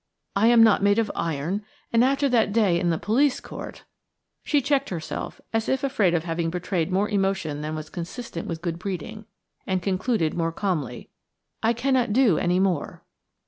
I am not made of iron, and after that day in the police court–" She checked herself, as if afraid of having betrayed more emotion than was consistent with good breeding, and concluded more calmly: "I cannot do any more."